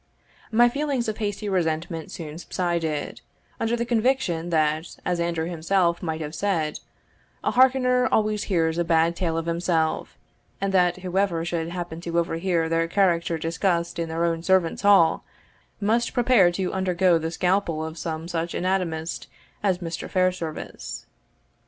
My feelings of hasty resentment soon subsided, under the conviction that, as Andrew himself might have said, "A harkener always hears a bad tale of himself," and that whoever should happen to overhear their character discussed in their own servants' hall, must prepare to undergo the scalpel of some such anatomist as Mr. Fairservice.